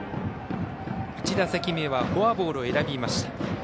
１打席目はフォアボールを選びました。